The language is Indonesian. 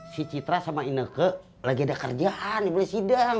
si citra sama ineke lagi ada kerjaan boleh sidang